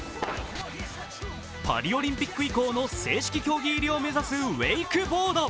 パリオリンピック以降の正式競技入りを目指すウェイクボード。